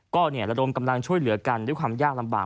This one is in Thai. ก็ระดมกำลังช่วยเหลือกันด้วยความยากลำบาก